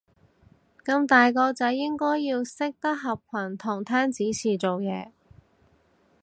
咁大個仔應該要識得合群同聽指示做嘢